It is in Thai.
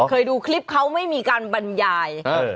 เคยดูคลิปเขาไม่มีการบรรยาย